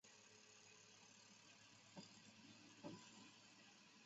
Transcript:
本为太常寺的工人。